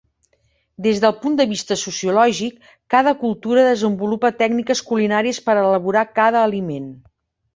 Des del punt de vista sociològic, cada cultura desenvolupa tècniques culinàries per elaborar cada aliment.